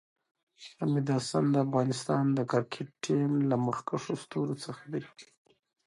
حمید حسن د افغانستان د کريکټ ټیم له مخکښو ستورو څخه ده